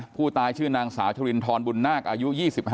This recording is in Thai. ผู้ตายชื่อนางสาวชรินทรบุญนาคอายุ๒๕